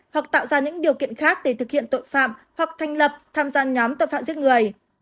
hoặc tạo ra những điều kiện khác để thực hiện tội phạm hoặc thành lập tham gia nhóm tội phạm giết người